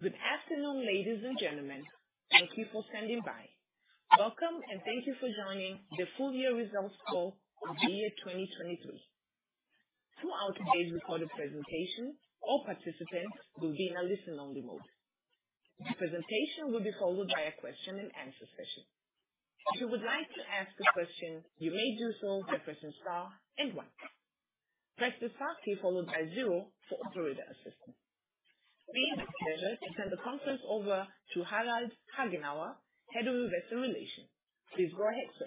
Good afternoon, ladies and gentlemen. Thank you for standing by. Welcome, and thank you for joining the full-year results call of the year 2023. Throughout today's recorded presentation, all participants will be in a listen-only mode. The presentation will be followed by a question-and-answer session. If you would like to ask a question, you may do so by pressing star and one. Press the star key followed by zero for operator assistance. It will be my pleasure to send the conference over to Harald Hagenauer, Head of Investor Relations. Please go ahead, sir.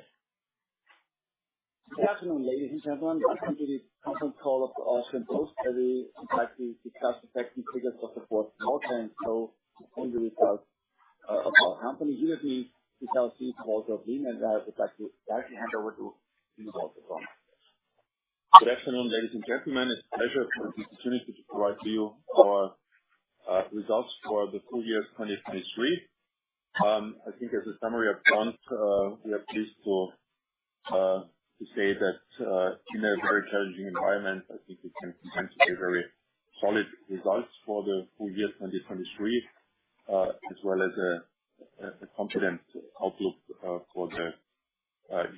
Good afternoon, ladies and gentlemen. Welcome to the conference call of the Austrian Post. I would like to discuss the facts and figures of the fourth quarter and the results of our company. Here with me because he's also the lead, and I would like to directly hand over to him for the conference. Good afternoon, ladies and gentlemen. It's a pleasure to have the opportunity to provide you our results for the full year 2023. I think as a summary upfront, we are pleased to say that in a very challenging environment, I think we can present today very solid results for the full year 2023 as well as a confident outlook for the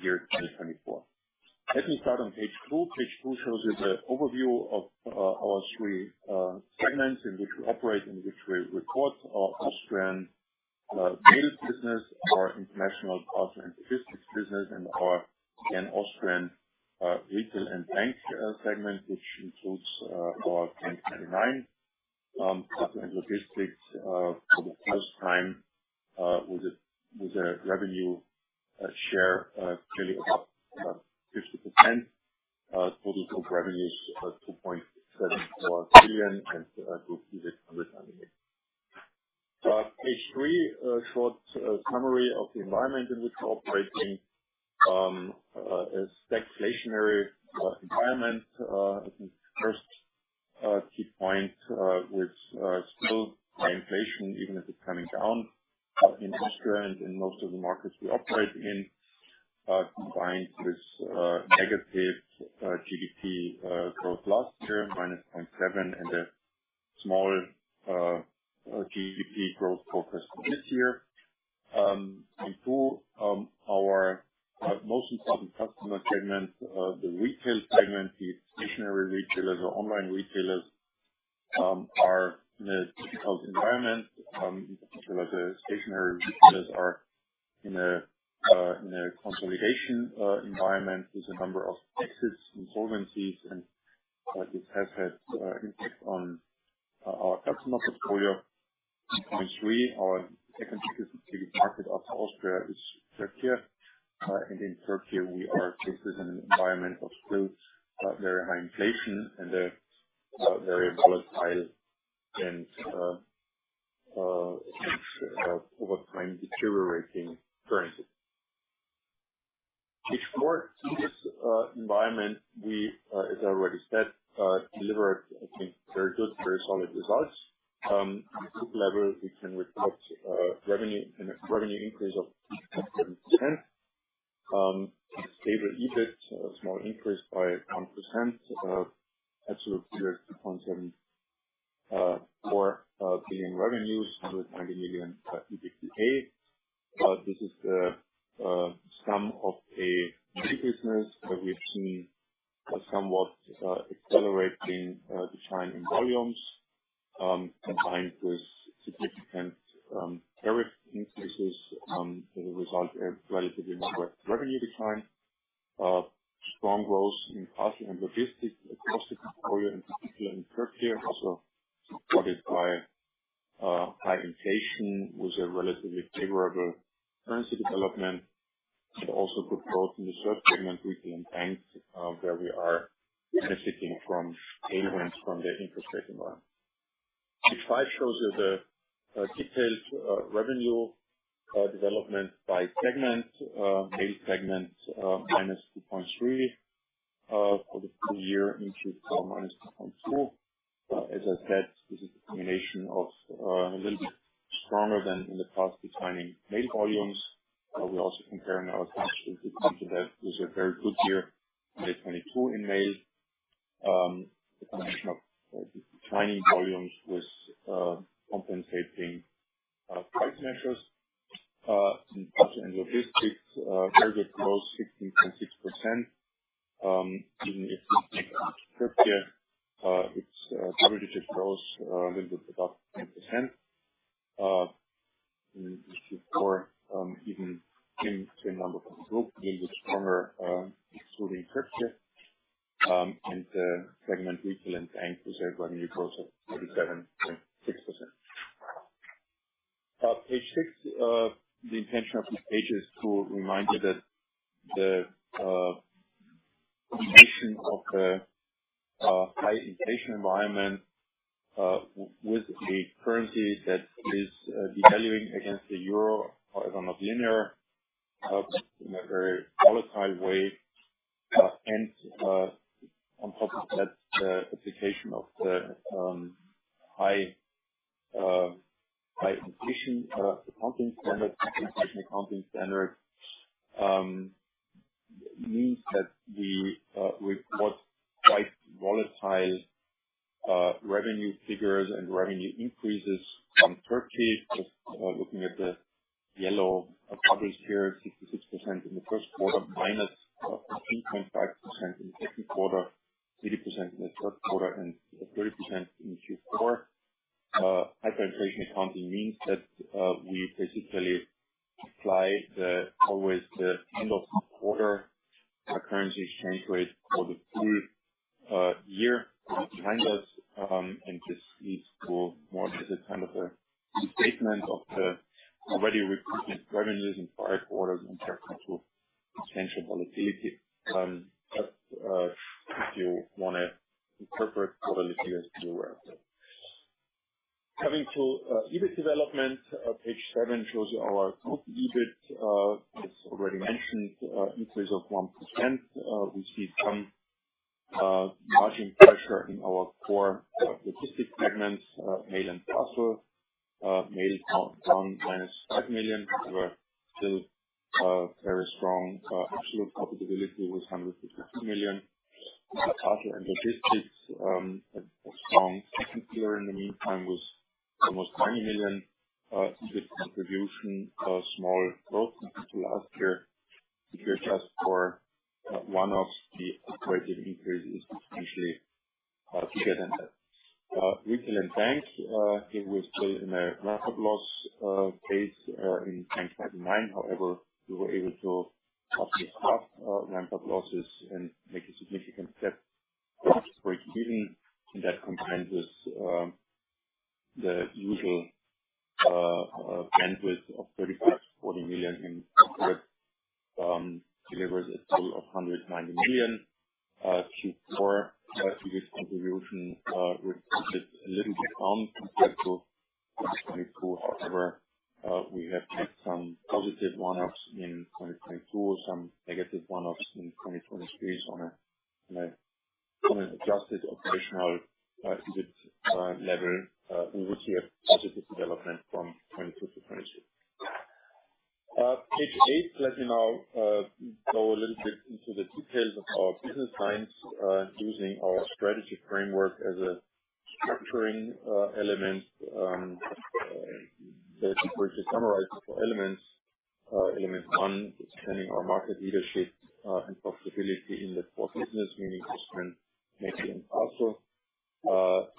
year 2024. Let me start on page two. Page two shows you the overview of our three segments in which we operate, in which we report our Austrian retail business, our international parcel and logistics business, and our Austrian retail and bank segment, which includes our bank99, parcel and logistics for the first time with a revenue share clearly above 50%. Total group revenue is 2.74 billion, and group EBIT 190.2 million. Page three, a short summary of the environment in which we're operating. A stagflationary environment. I think the first key point with still high inflation, even if it's coming down in Austria and in most of the markets we operate in, combined with negative GDP growth last year, -0.7%, and a small GDP growth forecast for this year. Point two, our most important customer segment, the retail segment, the stationary retailers or online retailers, are in a difficult environment. In particular, the stationary retailers are in a consolidation environment with a number of exits, insolvencies, and this has had an impact on our customer portfolio. Point three, our second biggest market after Austria is Turkey. And in Turkey, we are facing an environment of still very high inflation and a very volatile and over time deteriorating currency. Page four, this environment, as I already said, delivered, I think, very good, very solid results. At the group level, we can report revenue increase of 7%, a stable EBIT, a small increase by 1%, absolute year 2.74 billion revenues, 190 million EBIT. This is the sum of a new business where we've seen somewhat accelerating decline in volumes combined with significant tariff increases that result in a relatively moderate revenue decline. Strong growth in parcel and logistics across the portfolio, in particular in Turkey, also supported by high inflation with a relatively favorable currency development and also good growth in the third segment, retail and banks, where we are benefiting from tailwinds from the interest rate environment. Page 5 shows you the detailed revenue development by segment, mail segment, -2.3% for the full year, increased from -2.2%. As I said, this is a combination of a little bit and this leads to more of a kind of a statement of the already recruited revenues in prior quarters in terms of potential volatility. Just if you want to interpret quarterly figures, be aware of that. Coming to EBIT development, page 7 shows you our growth in EBIT. As already mentioned, increase of 1%. We see some margin pressure in our core logistics segments, mail and parcel. Mail down -5 million. We're still very strong. Absolute profitability was 152 million. Parcel and logistics, a strong second pillar in the meantime was almost 90 million. EBIT contribution, small growth compared to last year. If you adjust for one-offs, the operating increase is potentially bigger than that. Retail and bank, here we're still in a ramp-up loss case in bank99. However, we were able to partially stop ramp-up losses and make a significant step towards break-even, and that combined with the usual bandwidth of 35 million-40 million in delivers a total of EUR 190 million. Q4, EBIT contribution reported a little bit down compared to 2022. However, we have had some positive one-offs in 2022, some negative one-offs in 2023. So on an adjusted operational EBIT level, we would see a positive development from 2022 to 2023. Page 8, let me now go a little bit into the details of our business lines using our strategy framework as a structuring element. If we were to summarize the four elements: Element one, expanding our market leadership and profitability in the core business, meaning investment, making, and parcel.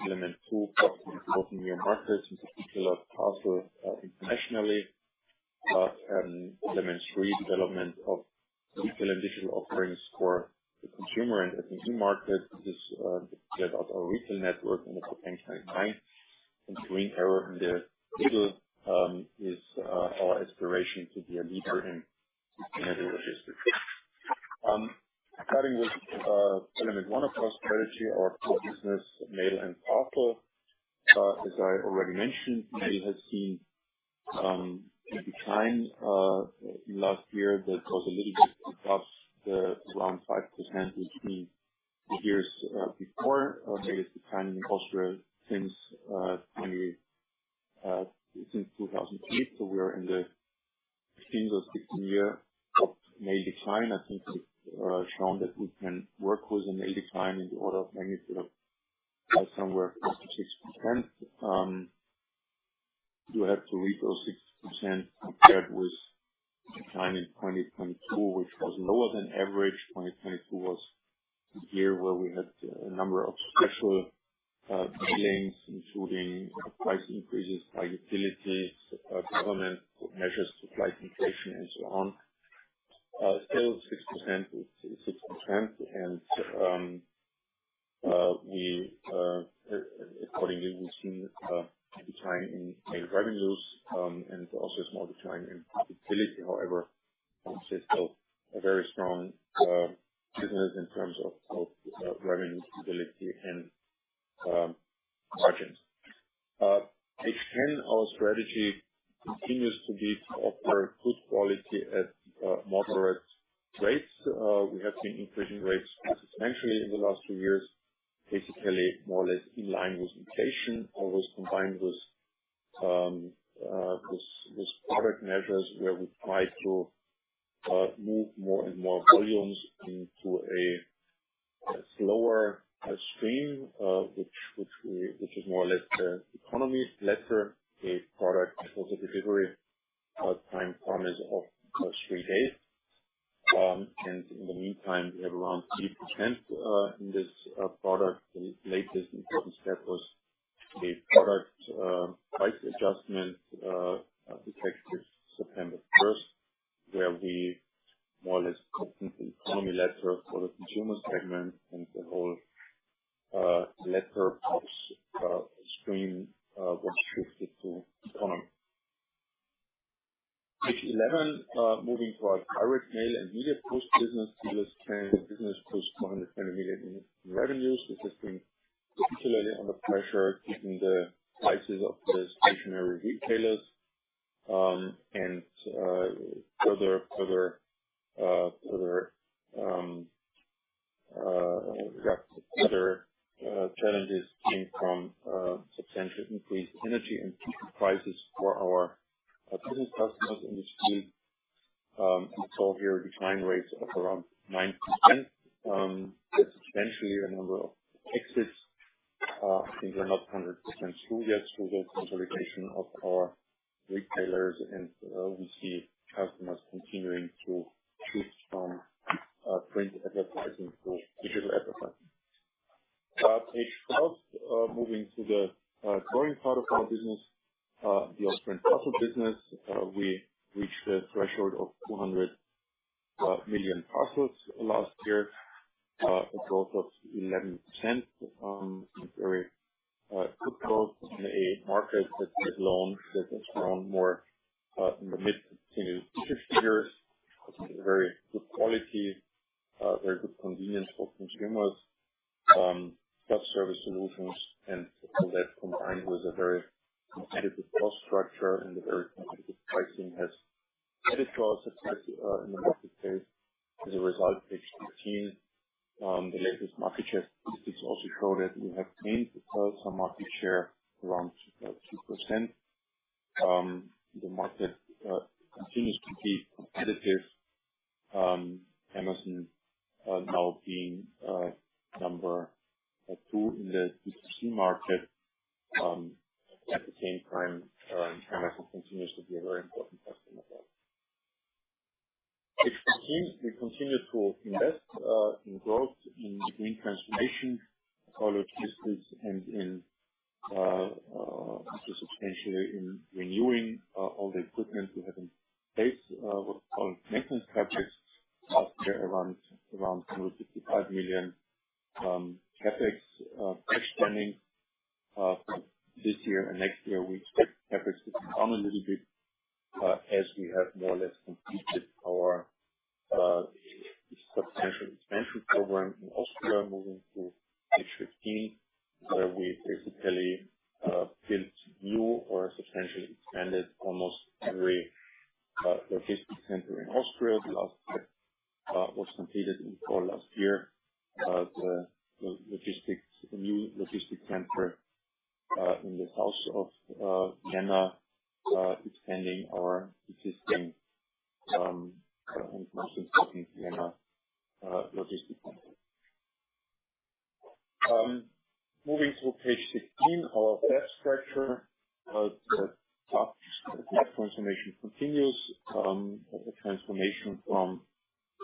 Element two, profitability growth in new markets, in particular parcel internationally. Element three, development of retail and digital offerings for the consumer and SME market. This is to get out our retail network and of the bank99. And green arrow in the middle is our aspiration to be a leader in retail and logistics. Starting with element one of our strategy, our core business, mail and parcel. As I already mentioned, we have seen a decline in last year that was a little bit above the around 5% we've seen the years before. Mail is declining in Austria since 2008. So we are in the 15th or 16th year of mail decline. I think we've shown that we can work with a mail decline in the order of magnitude of somewhere 66%. You have to read those 60% compared with the decline in 2022, which was lower than average. 2022 was a year where we had a number of special billings, including price increases by utilities, government measures to fight inflation, and so on. Still, 6% is 6%. And accordingly, we've seen a decline in mail revenues and also a small decline in profitability. However, we still have a very strong business in terms of revenue stability and margins. Page 10, our strategy continues to be to offer good quality at moderate rates. We have been increasing rates substantially in the last two years, basically more or less in line with inflation, always combined with product measures where we try to move more and more volumes into a slower stream, which is more or less the Economy Letter, a product. Important delivery time promise of three days. In the meantime, we have around 80% in this product. The latest important step was a product price adjustment detected September 1st, where we more or less put in the Economy Letter for the consumer segment, and the whole letter box stream was shifted to economy. Page 11, moving to our direct mail and Media Post business this area business posts 420 million in revenues. This has been particularly under pressure given the crisis of the stationary retailers, and further challenges came from substantially increased energy and heating prices for our business customers, in which field we saw a decline rates of around 9%. Substantially, a number of exits. I think we're not 100% through yet through the consolidation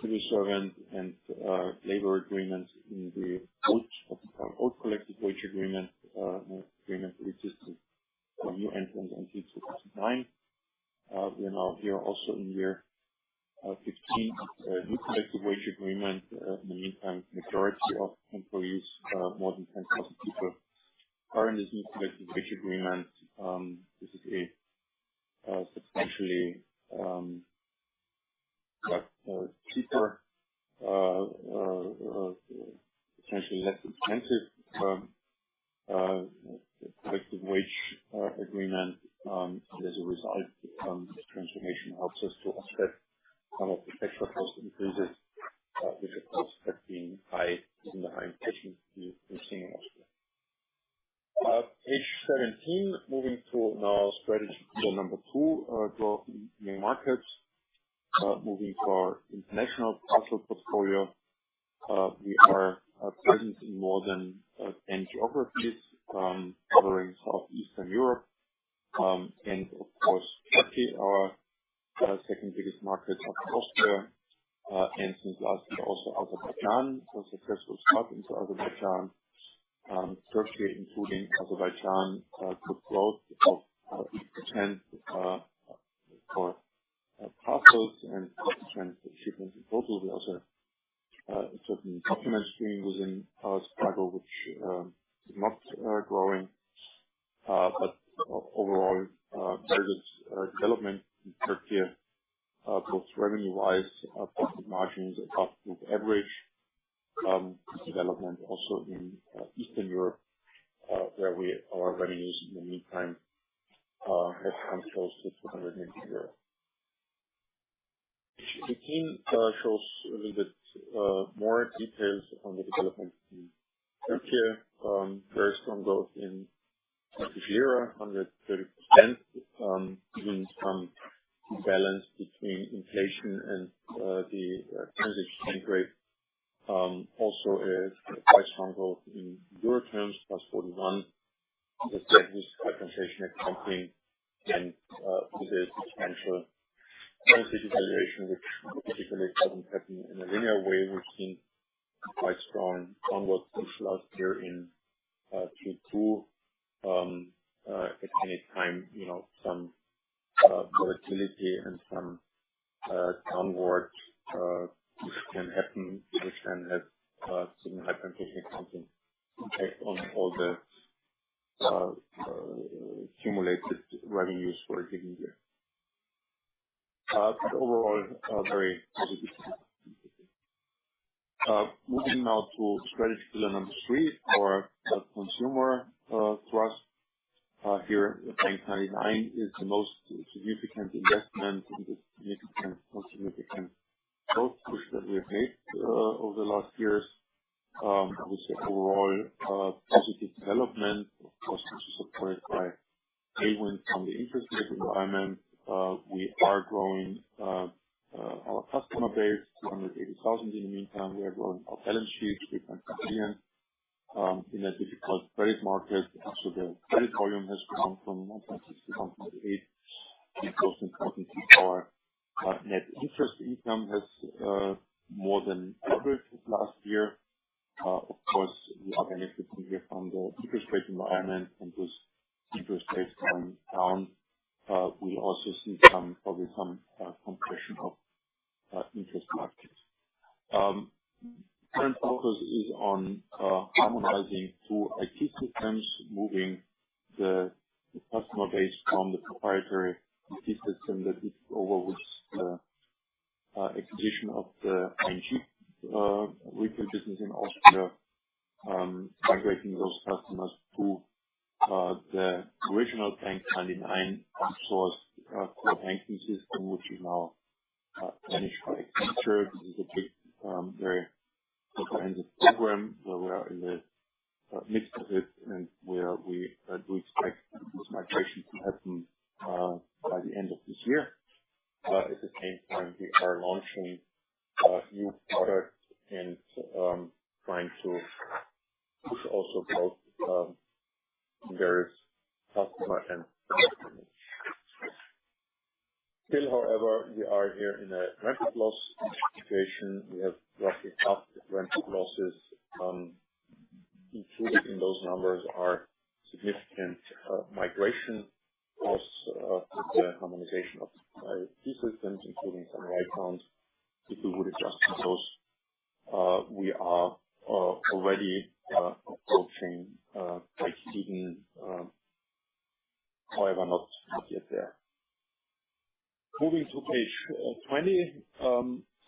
We are now here also in year 15, a new collective wage agreement. In the meantime, the majority of employees, more than 10,000 people, are in this new collective wage agreement. This is a substantially cheaper, potentially less expensive collective wage agreement. And as a result, this transformation helps us to offset some of the extra cost increases, which, of course, have been high, even the high inflation we're seeing in Austria. Page 17, moving to now strategy number 2, growth in new markets. Moving to our international parcel portfolio, we are present in more than 10 geographies, covering southeastern Europe and, of course, Turkey, our second biggest market of Austria. And since last year, also Azerbaijan, a successful start into Azerbaijan. Turkey, including Azerbaijan, put growth of 8% for parcels and 8% for shipments in total. We also have a certain document stream within our Kargo, which is not growing, but overall, very good development in Turkey, both revenue-wise, profit margins above group average. Development also in Eastern Europe, where our revenues in the meantime have come close to 290 million euros. Page 15 shows a little bit more details on the development in Turkey. Very strong growth in Turkish lira, 130%, even some imbalance between inflation and the transit change rate. Also, a quite strong growth in euro terms, +41%, as I said, with hyperinflation accounting and with a substantial currency devaluation, which typically doesn't happen in a linear way. We've seen quite strong downwards since last year in Q2. At any time, some volatility and some downward push can happen, which then has certain hyperinflation accounting impact on all the accumulated revenues for a given year. But overall, very positive. Moving now to strategy pillar number three for consumer trust. Here, bank99 is the most significant investment in this significant growth push that we have made over the last years. I would say overall positive development, of course, which is supported by tailwinds from the interest rate environment. We are growing our customer base, 280,000. In the meantime, we are growing our balance sheets, EUR 3.3 billion. In a difficult credit market, actually, the credit volume has grown from 1.6 to 1.8. The most important thing for our net interest income has more than doubled last year. Of course, we are benefiting here from the interest rate environment, and with interest rates going down, we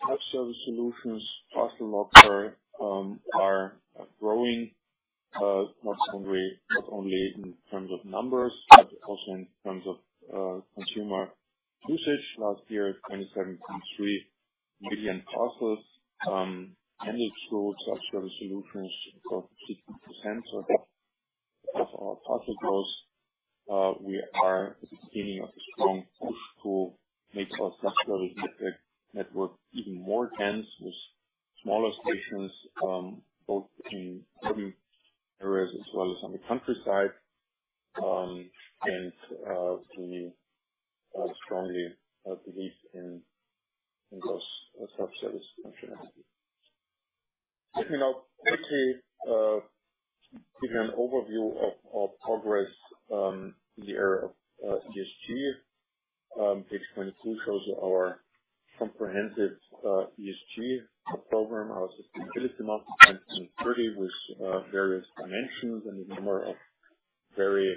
self-service solutions, parcel locker are growing, not only in terms of numbers but also in terms of consumer usage. Last year, 27.3 million parcels handled through self-service solutions, about 60% of our parcel growth. We are at the beginning of a strong push to make our self-service network even more dense with smaller stations, both in urban areas as well as on the countryside. We strongly believe in those self-service functionalities. Let me now quickly give you an overview of our progress in the area of ESG. Page 22 shows you our comprehensive ESG program, our sustainability master plan 2030 with various dimensions and a number of very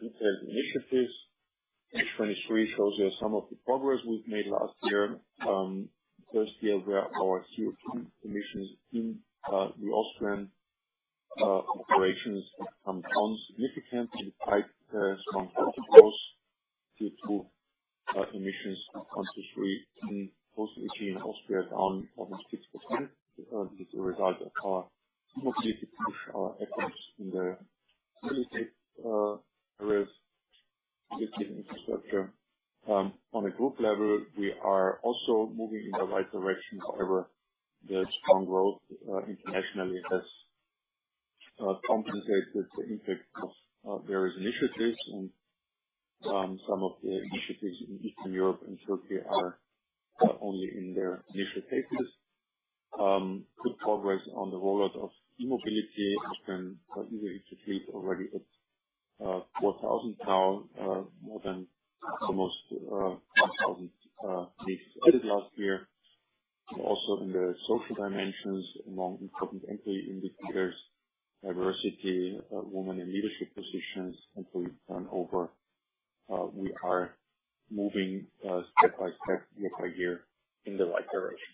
detailed initiatives. Page 23 shows you some of the progress we've made last year. First year, where our CO2 emissions in the Austrian operations have become non-significant despite the strong fiscal growth due to emissions from 2023 in Post AG in Austria down almost 6%. This is a result of our e-mobility push, our efforts in the real estate areas, real estate infrastructure. On a group level, we are also moving in the right direction. However, the strong growth internationally has compensated the impact of various initiatives, and some of the initiatives in Eastern Europe and Turkey are only in their initial phases. Good progress on the rollout of e-mobility. Austria's electric fleet already at 4,000 now, more than almost 1,000 points added last year. Also in the social dimensions, among important key indicators, diversity, women in leadership positions, employee turnover, we are moving step by step, year by year, in the right direction.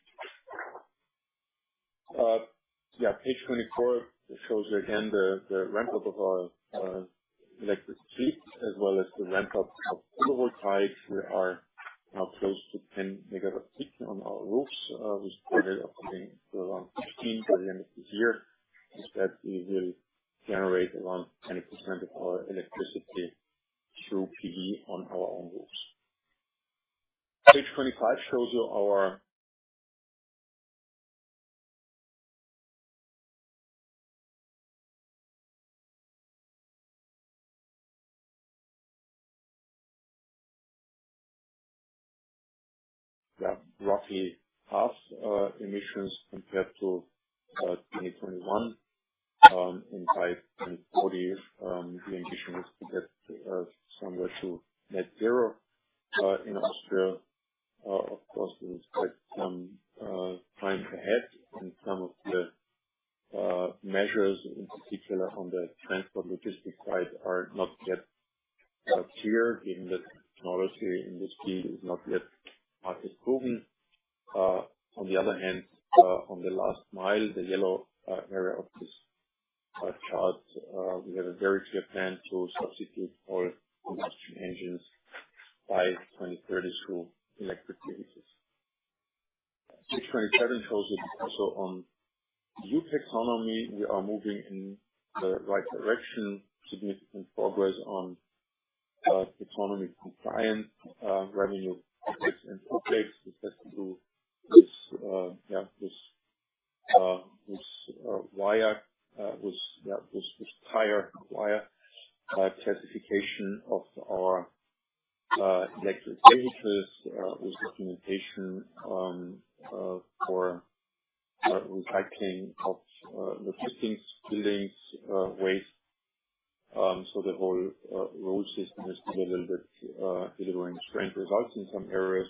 Yeah, page 24 shows you, again, the ramp-up of our electric fleet as well as the ramp-up of solar photovoltaics. We are now close to 10 MW peak on our roofs. We started up to around 15 by the end of this year. We said we will generate around 20% of our electricity through PV on our own roofs. Page 25 shows you our roughly half emissions compared to 2021. And by 2040, the ambition is to get somewhere to net zero. In Austria, of course, we will expect some time ahead, and some of the measures, in particular on the transport logistics side, are not yet clear given that technology in this field is not yet market-proven. On the other hand, on the last mile, the yellow area of this chart, we have a very clear plan to substitute all combustion engines by 2030 through electric vehicles. Page 27 shows you also on new taxonomy, we are moving in the right direction, significant progress on taxonomy compliance, revenue metrics, and footprints. This has to do with this turnover, with this turnover classification of our electric vehicles, with documentation for recycling of logistics, buildings, waste. So the whole rule system is still a little bit delivering strange results in some areas.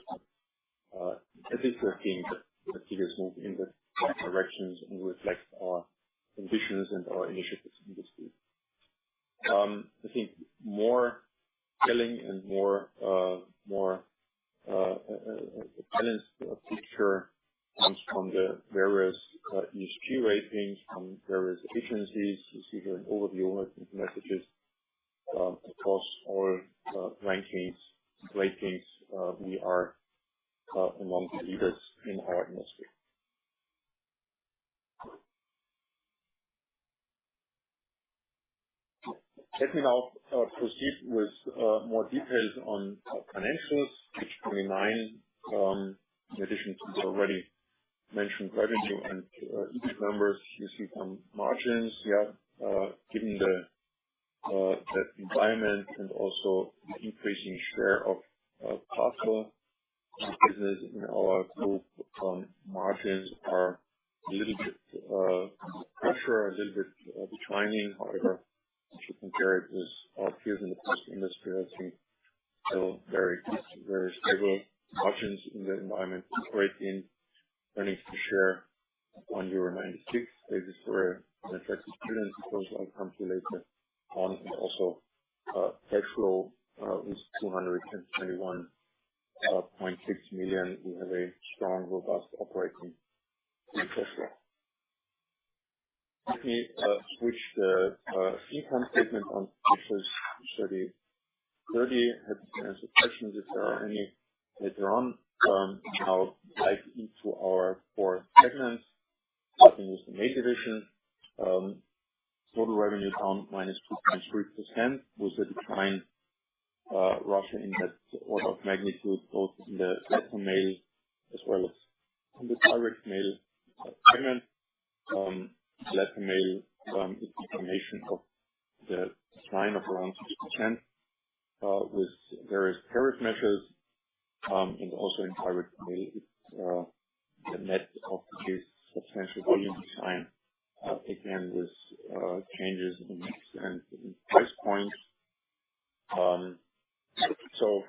in the letter mail as well as on the direct mail segment. Letter mail, its decline of around 6% with various tariff measures. And also in direct mail, it's the net of. A substantial volume decline, again, with changes in price points. So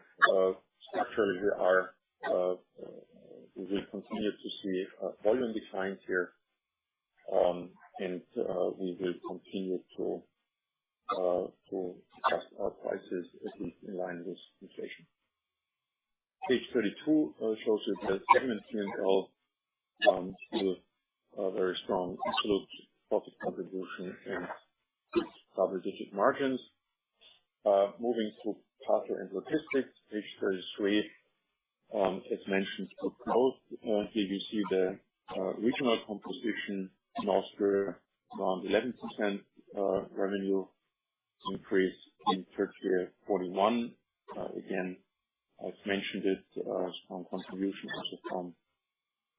structurally, we will continue to see volume declines here, and we will continue to adjust our prices at least in line with inflation. Page 32 shows you the segment P&L with very strong absolute profit contribution and double-digit margins. Moving to parcel and logistics, page 33, as mentioned, good growth. Here, you see the regional composition in Austria around 11% revenue increase in Turkey at 41%. Again, as mentioned, it's a strong contribution also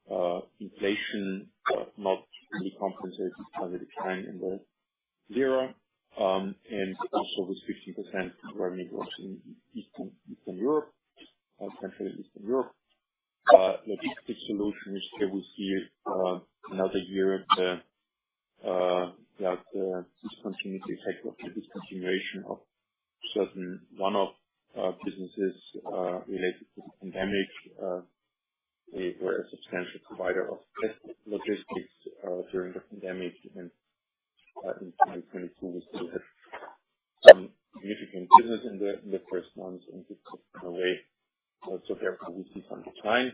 from inflation, not fully compensated by the decline in the lira, and also with 15% revenue growth in Eastern Europe, central Eastern Europe. Logistics solutions, here we see another year, yeah, the discontinuity effect of the discontinuation of one of businesses related to the pandemic. They were a substantial provider of test logistics during the pandemic, and in 2022, we still had some significant business in the first months and did take some away. So therefore, we see some decline.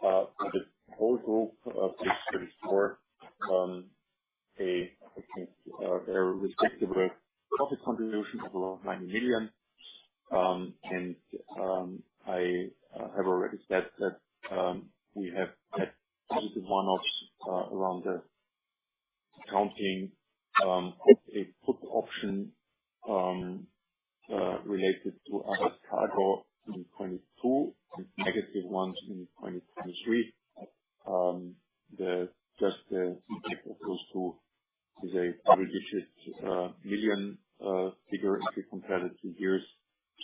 For the whole group, page 34, I think a very respectable profit contribution of around 90 million. I have already said that we have had positive one-offs around the counting of a put option related to Aras Kargo in 2022 and negative ones in 2023. Just the impact of those two is a double-digit million figure if we compare the two years.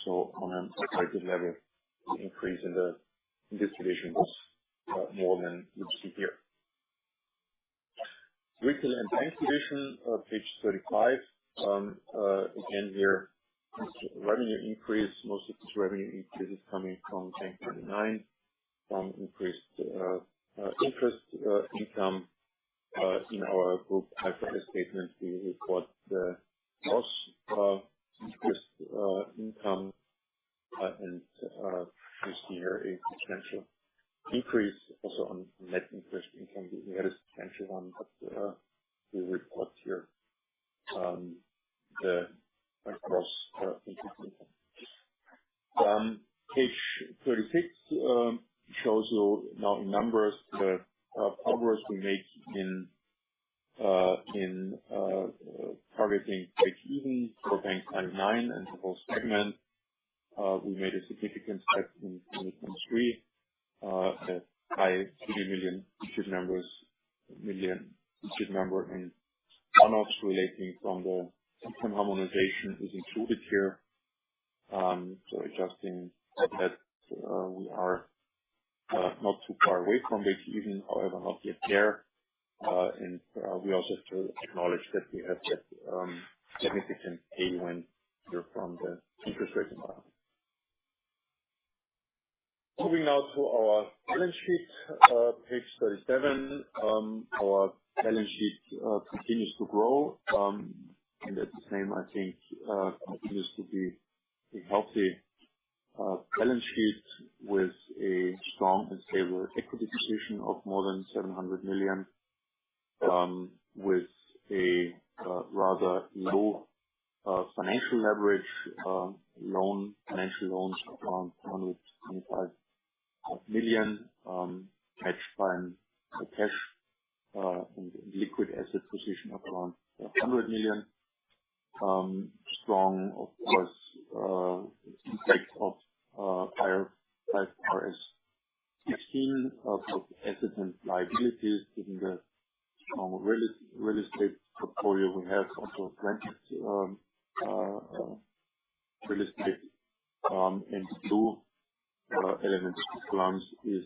On an operated level, the increase in this division was more than we see here. Retail and bank division, page 35. Again, here, revenue increase, most of this revenue increase is coming from bank99, from increased interest income. In our group financial statement, we report the gross interest income, and we see here a substantial increase also on net interest income. We had a substantial one, but we report here the gross interest income. Page 36 shows you now in numbers the progress we make in targeting break-even for bank99 and the whole segment. We made a significant step in 2023, a high single-digit million number in one-offs relating from the IT harmonization is included here. So adjusting that, we are not too far away from break-even, however, not yet there. We also have to acknowledge that we have had significant tailwind here from the interest rate environment. Moving now to our balance sheet, page 37. Our balance sheet continues to grow, and at the same, I think, continues to be a healthy balance sheet with a strong and stable equity position of more than 700 million, with a rather low financial leverage, financial loans of around 225 million, matched by a cash and liquid asset position of around 100 million. Strong, of course, effect of higher IFRS 16, both assets and liabilities given the strong real estate portfolio we have, also rented real estate. The blue elements of the plans is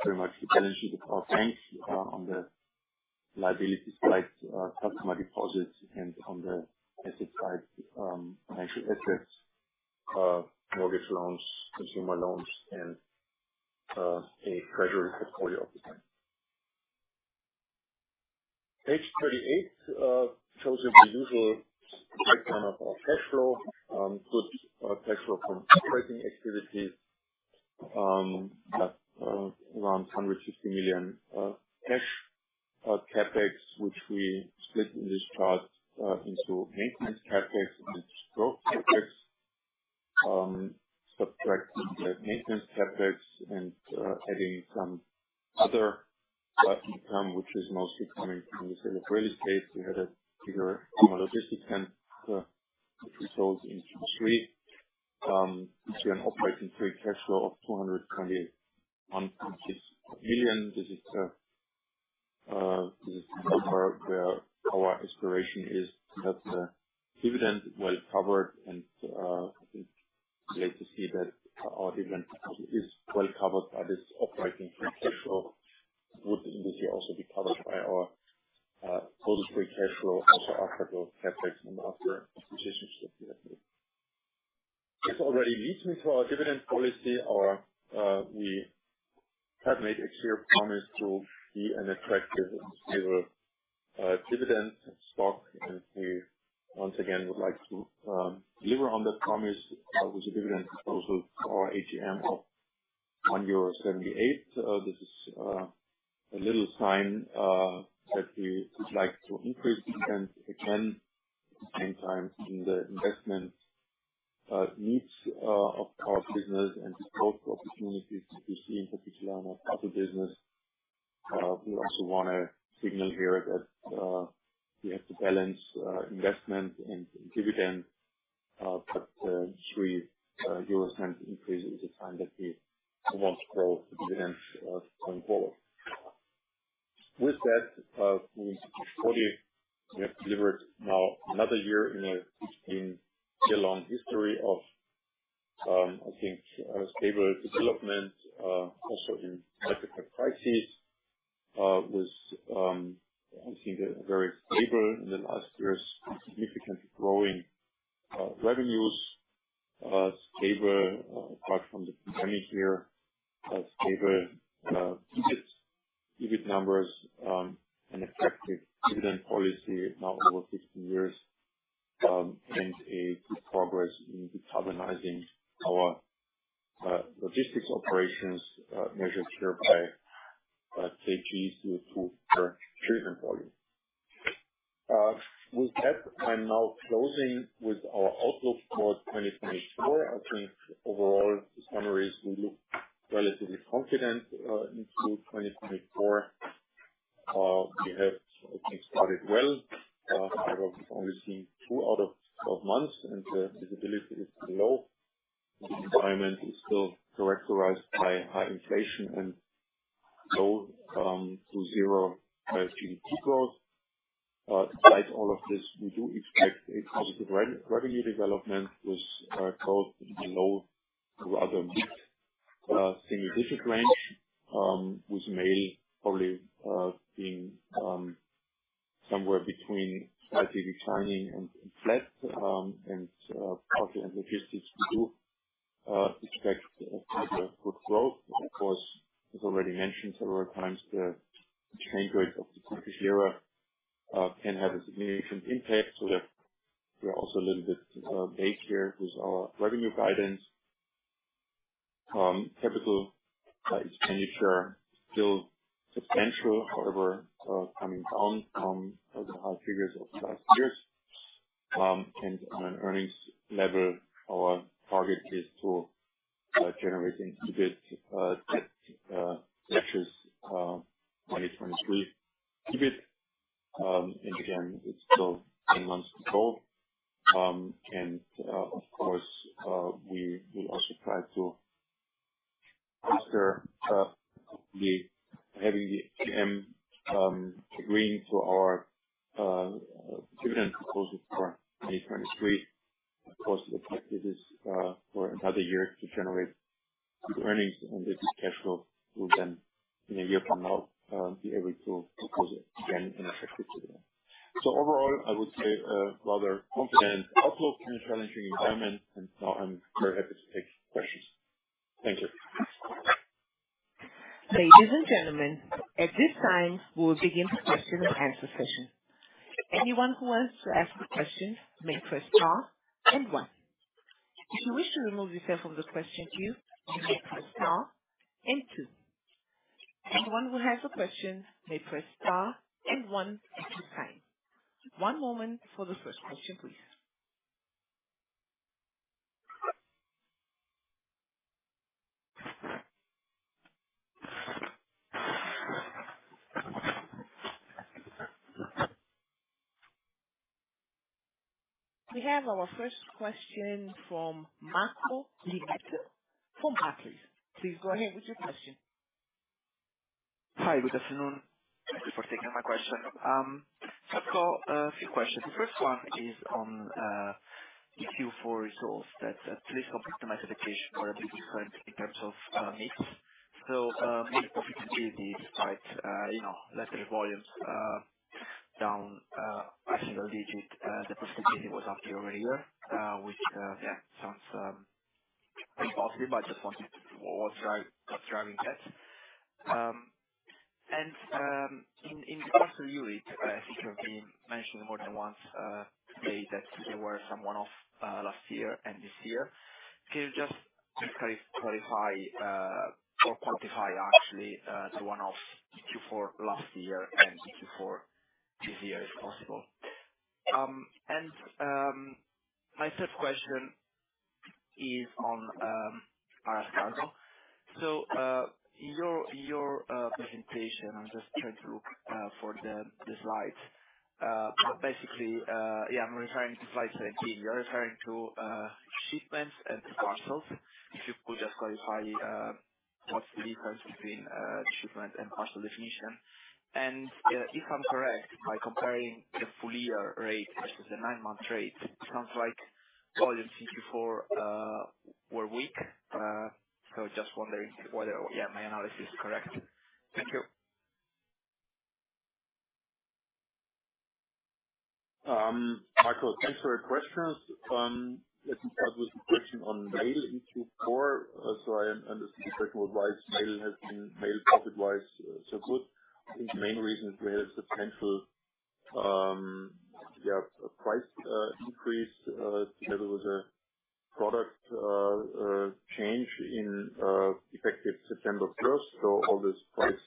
pretty much the balance sheet of our bank on the liability side, customer deposits, and on the asset side, financial assets, mortgage loans, consumer loans, and a treasury portfolio of the bank. Page 38 shows you the usual breakdown of our cash flow, good cash flow from operating activities, around 150 million CapEx, which we split in this chart into maintenance CapEx and growth CapEx, subtracting the maintenance CapEx and adding some other income, which is mostly coming from the sale of real estate. We had a big gain from a logistics center, which we sold in Q3, into an operating free cash flow of 221.6 million. This is the number where our aspiration is to have the dividend well covered. I think it's great to see that our dividend is well covered by this operating free cash flow. Would in this year also be covered by our total free cash flow, also after growth CapEx and after acquisitions that we have made. This already leads me to our dividend policy. We have made a clear promise to be an attractive and stable dividend stock, and we once again would like to deliver on that promise with a dividend proposal to our AGM of 1.78 euro. This is a little sign that we would like to increase the dividend again at the same time in the investment needs of our business and the growth opportunities that we see in particular in our parcel business. We also want to signal here that we have to balance investment and dividend, but the 0.03 increase is a sign that we want to grow the dividends going forward. With that, moving to page 40, we have delivered now another year in a 16-year-long history of, I think, stable development, also in micro-cap crises, with, I think, very stable in the last years, significantly growing revenues, stable, apart from the pandemic here, stable EBIT numbers, an attractive dividend policy now over 15 years, and a good progress in decarbonizing our logistics operations measured here by kg CO2 per share and volume. With that, I'm now closing with our outlook for 2024. I think overall, the summaries, we look relatively confident into 2024. We have, I think, started well. However, we've only seen 2 out of 12 months, and the visibility is still low. The environment is still characterized by high inflation and low to zero GDP growth. Despite all of this, we do expect a positive revenue development with growth in the low, rather mid-single-digit range, with mail probably being somewhere between slightly declining and flat. Parcel and logistics, we do expect a good growth. Of course, as already mentioned several times, the exchange rate of the Turkish lira can have a significant impact. We are also a little bit vague here with our revenue guidance. Capital expenditure is still substantial, however, coming down from the high figures of the last years. On an earnings level, our target is to generate an EBIT that touches 2023 EBIT. Again, it's still 10 months to go. And of course, we will also try to, after having the AGM agreeing to our dividend proposal for 2023, of course, the objective is for another year to generate good earnings, and the good cash flow will then, in a year from now, be able to propose, again, an attractive dividend. So overall, I would say a rather confident outlook in a challenging environment, and now I'm very happy to take questions. Thank you. Ladies and gentlemen, at this time, we will begin the question and answer session. Anyone who wants to ask a question may press star and one. If you wish to remove yourself from the question queue, you may press star and two. Anyone who has a question may press star and one at this time. One moment for the first question, please. We have our first question from Marco Limite. Barclays, please. Please go ahead with your question. Hi, good afternoon. Thank you for taking my question. So I've got a few questions. The first one is on the Q4 results that at least complete the massification were a bit different in terms of Mail. So Mail profitability, despite letter volumes down a single digit, the profitability was up here over a year, which, yeah, sounds pretty positive, but I just wanted to know what's driving that. And in the parcel unit, I think you have been mentioning more than once today that there were some one-offs last year and this year. Can you just clarify or quantify, actually, the one-offs in Q4 last year and in Q4 this year, if possible? And my third question is on Aras Kargo. So in your presentation, I'm just trying to look for the slides. But basically, yeah, I'm referring to slide 17. You're referring to shipments and parcels. If you could just clarify what's the difference between shipment and parcel definition. And if I'm correct, by comparing the full-year rate versus the nine-month rate, it sounds like volumes in Q4 were weak. So just wondering whether, yeah, my analysis is correct. Thank you. Marco, thanks for your questions. Let me start with the question on mail in Q4. So I understand the question was why mail has been mail profit-wise so good. I think the main reason is we had a substantial, yeah, price increase together with a product change effective September 1st. So all this price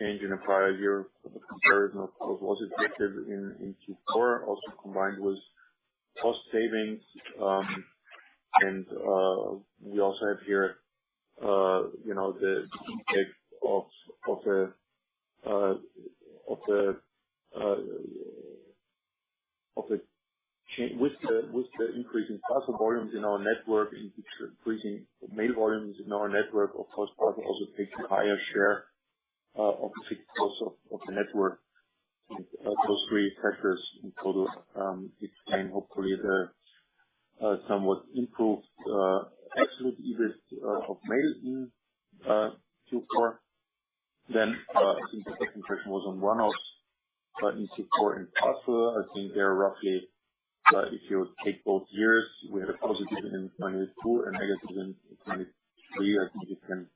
change in a prior year, the comparison, of course, was effective in Q4, also combined with cost savings. We also have here the impact of, with the increasing parcel volumes in our network and increasing mail volumes in our network, of course, parcel also takes a higher share of the fixed cost of the network. Those three factors in total explain, hopefully, the somewhat improved absolute EBIT of mail in Q4. Then I think the second question was on one-offs in Q4 and parcel. I think they're roughly, if you take both years, we had a positive in 2022 and negative in 2023. I think you can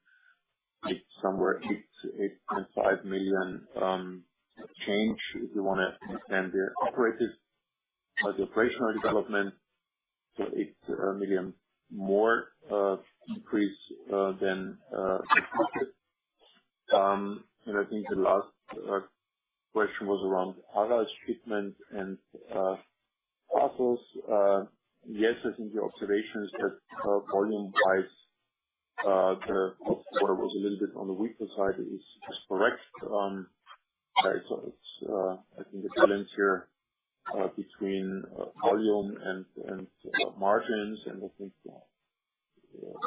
make somewhere 8 million-8.5 million change if you want to understand the operational development. So 8 million more increase than expected. And I think the last question was around Aras shipments and parcels. Yes, I think the observation is that volume-wise, the Q4 was a little bit on the weaker side. It is correct. I think the balance here between volume and margins, and I think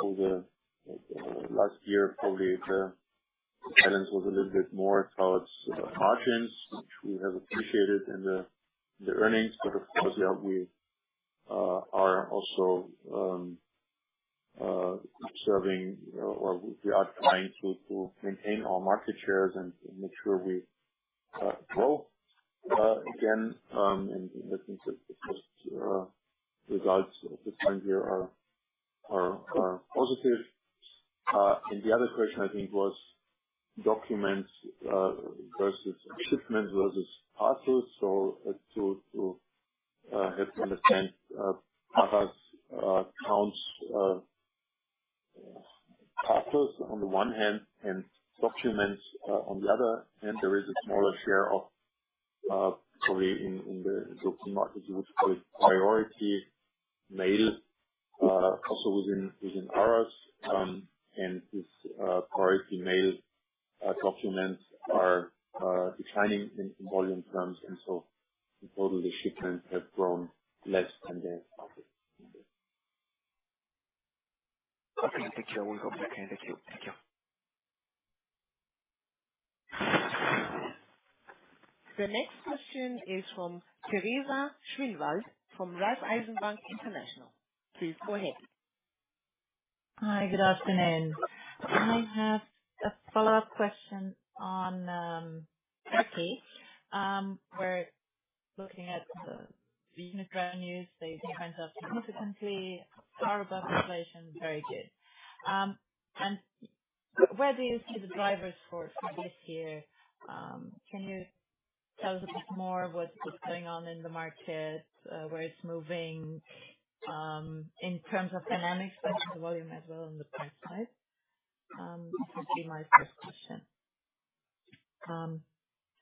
over the last year, probably the balance was a little bit more towards margins, which we have appreciated in the earnings. But of course, yeah, we are also observing or we are trying to maintain our market shares and make sure we grow again. I think that the first results at this time here are positive. The other question, I think, was documents versus shipments versus parcels. So to help you understand, Aras counts parcels on the one hand and documents on the other. There is a smaller share of, probably in the European market, you would call it Priority Mail, also within Aras. This Priority Mail documents are declining in volume terms. So in total, the shipments have grown less than their market. Okay. Thank you. I will hope you're okay. Thank you. Thank you. The next question is from Teresa Schinwald from Raiffeisen Bank International. Please go ahead. Hi. Good afternoon. I have a follow-up question on Turkey. We're looking at the unit revenues. They've increased significantly. Far above inflation. Very good. And where do you see the drivers for this year? Can you tell us a bit more what's going on in the market, where it's moving in terms of dynamics, both in the volume as well as in the price side? This would be my first question.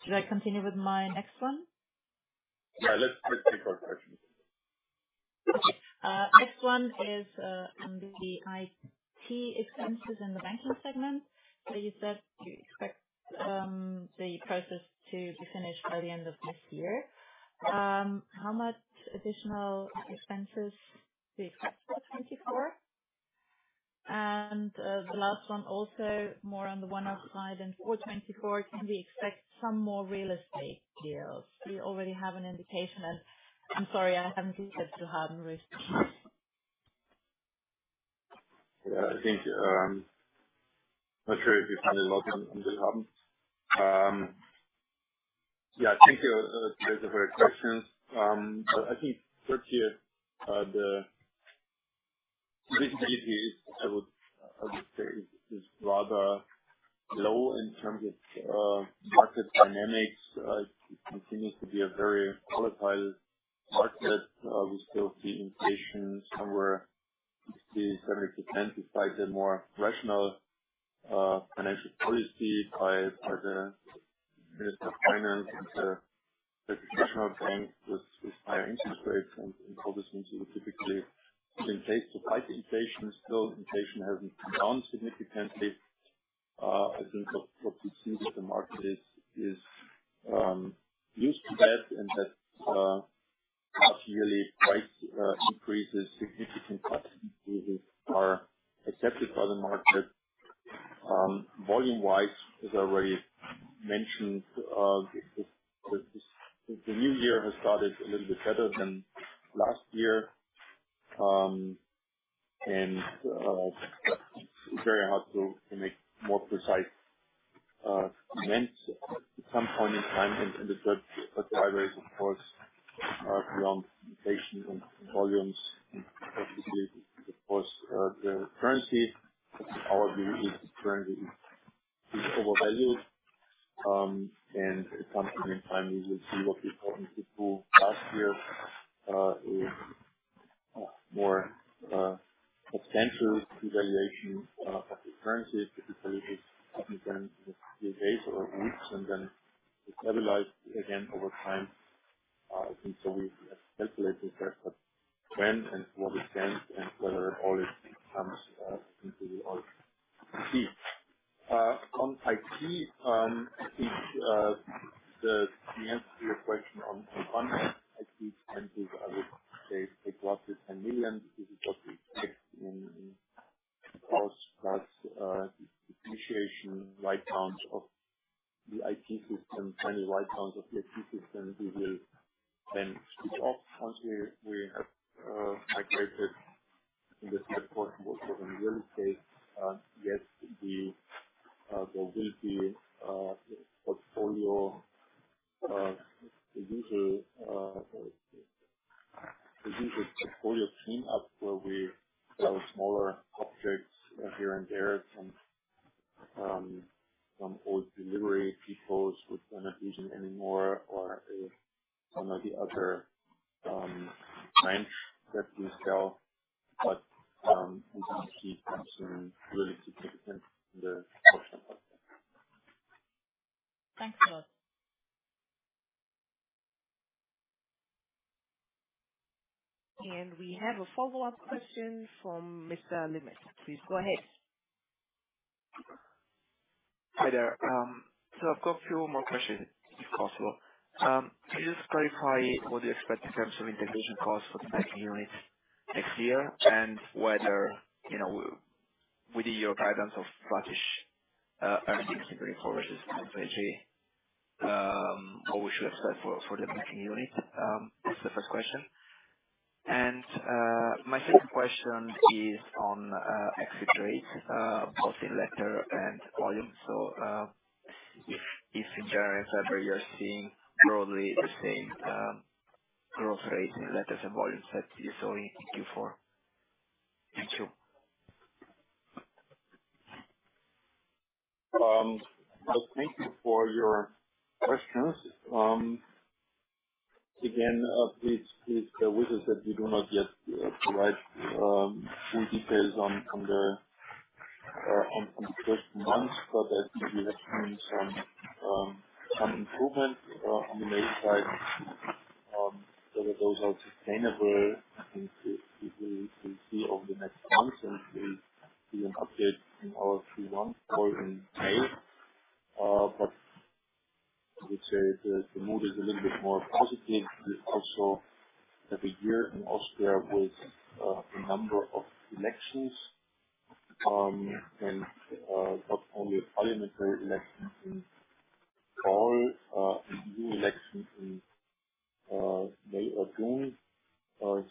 Should I continue with my next one? Yeah. Let's take our questions. Okay. Next one is on the IT expenses in the banking segment. So you said you expect the process to be finished by the end of this year. How much additional expenses do you expect for 2024? And the last one, also more on the one-off side in 2024, can we expect some more real estate deals? We already have an indication, and I'm sorry, I haven't looked at them recently. Yeah. I'm not sure if you've done a lot in them. Yeah. Thank you, Teresa, for your questions. I think Turkey, the visibility, I would say, is rather low in terms of market dynamics. It continues to be a very volatile market. We still see inflation somewhere 60%-70% despite the more rational financial policy by the Minister of Finance and the Central Bank with higher interest rates. And all this means we were typically put in place to fight inflation. Still, inflation hasn't gone significantly. I think what we see with the market is used to that, and that half-yearly price increases, significant price increases, are accepted by the market. Volume-wise, as I already mentioned, the new year has started a little bit better than last year, and it's very hard to make more precise comments at some point in time. The third driver is, of course, beyond inflation and volumes and possibilities, of course, the currency. Our view is the currency is overvalued, and at some point in time, we will see what we thought in Q2 last year is more substantial devaluation of the currency, typically within a few days or weeks, and then it stabilized again over time. I think so we have calculated that, but when and to what extent and whether at all it comes, And my second question is on exit rates, both in letter and volume. So if, in January, February, you're seeing broadly the same growth rates in letters and volumes that you saw in Q4. Thank you. Thank you for your questions. Again, please note that we do not yet provide full details on the first months, but I think we have seen some improvement on the mail side. Whether those are sustainable, I think we will see over the next months, and we'll see an update in our Q1 call in May. But I would say the mood is a little bit more positive. We also have a year in Austria with a number of elections, and not only parliamentary elections in fall, a new election in May or June,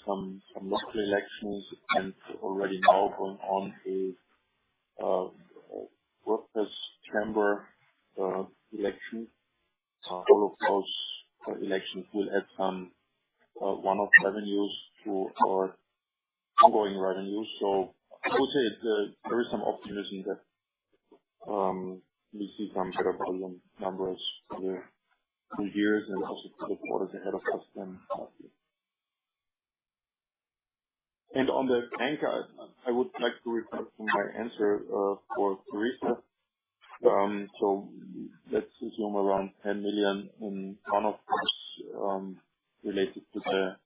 some local elections, and already now going on is a workers' chamber election. All of those elections will add some one-off revenues to our ongoing revenues. So I would say there is some optimism that we see some better volume numbers for the full year and also for the quarters ahead of us than last year. And on the bank, I would like to refer to my answer for Teresa. So let's assume around 10 million in one-offs related to the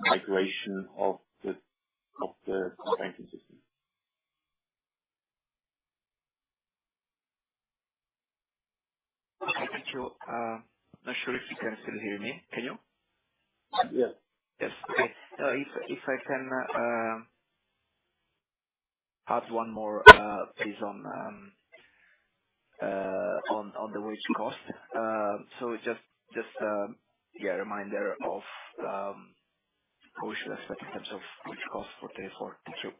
migration of the banking system. Thank you. I'm not sure if you can still hear me. Can you? Yes. Yes. Okay. If I can add one more, please, on the wage cost. So just, yeah, a reminder of what we should expect in terms of wage costs for 2024. Thank you.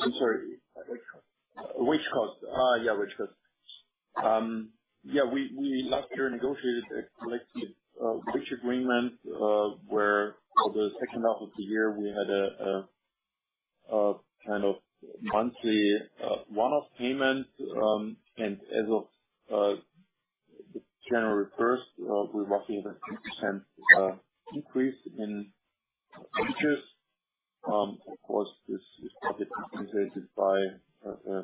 I'm sorry. Wage costs. Yeah, wage costs. Yeah. We last year negotiated a collective wage agreement where for the second half of the year, we had a kind of monthly one-off payment. And as of January 1st, we roughly have a 10% increase in wages. Of course, this is probably compensated by a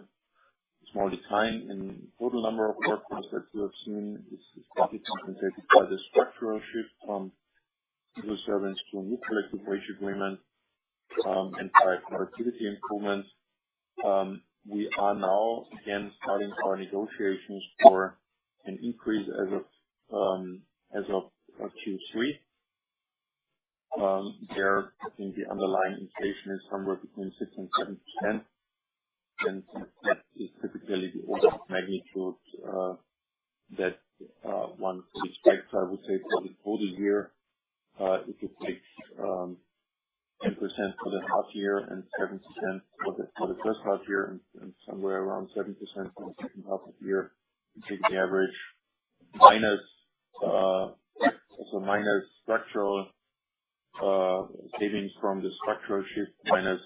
small decline in total number of workers that you have seen. It's probably compensated by the structural shift from civil servants to a new collective wage agreement and by productivity improvements. We are now again starting our negotiations for an increase as of Q3. There, I think the underlying inflation is somewhere between 6%-7%, and that is typically the order of magnitude that one could expect, I would say, for the total year if you take 10% for the half-year and 7% for the first half-year and somewhere around 7% for the second half of the year, typically average, also minus structural savings from the structural shift, minus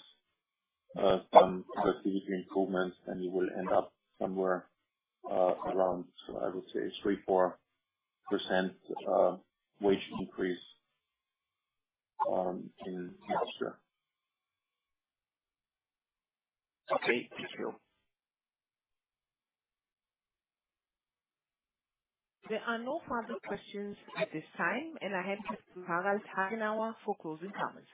some productivity improvements, then you will end up somewhere around, I would say, a 3%-4% wage increase in next year. Okay. Thank you. There are no further questions at this time, and I hand it to Harald Hagenauer for closing comments.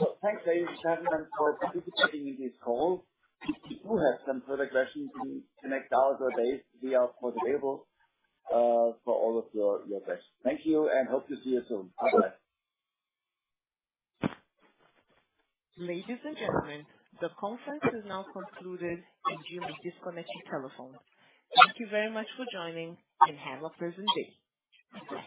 Well, thanks, Ladies and Gentlemen, for participating in this call. If you do have some further questions, you can connect out or we are available for all of your questions. Thank you, and hope to see you soon. Bye-bye. Ladies and Gentlemen, the conference is now concluded, and you may disconnect your telephone. Thank you very much for joining, and have a pleasant day. Goodbye.